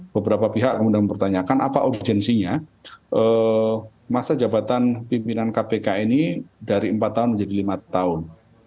beberapa pihak kemudian mempertanyakan apa urgensinya masa jabatan pimpinan kpk ini dari empat tahun menjadi lima tahun